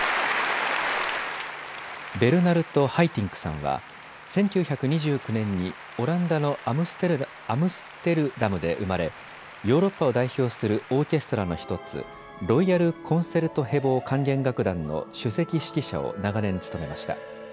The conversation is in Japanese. ベルナルト・ハイティンクさんは１９２９年にオランダのアムステルダムで生まれヨーロッパを代表するオーケストラの１つ、ロイヤル・コンセルトヘボウ管弦楽団の首席指揮者を長年務めました。